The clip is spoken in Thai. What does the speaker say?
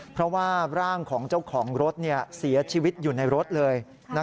เพราะว่าร่างของเจ้าของรถเสียชีวิตอยู่ในรถเลย